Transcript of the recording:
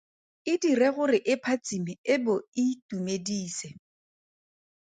E dire gore e phatsime e bo e itumedise.